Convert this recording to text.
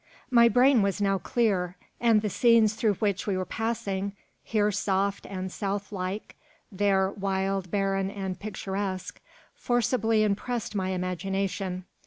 My brain was now clear; and the scenes through which we were passing here soft and south like, there wild, barren, and picturesque forcibly impressed my imagination.